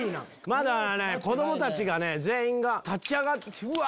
まだ子供たちがね全員が立ち上がってうわ